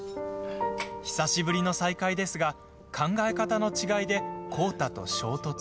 久しぶりの再会ですが考え方の違いで浩太と衝突。